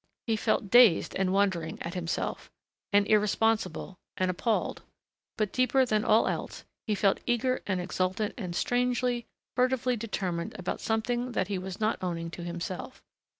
He felt dazed and wondering at himself ... and irresponsible ... and appalled ... but deeper than all else, he felt eager and exultant and strangely, furtively determined about something that he was not owning to himself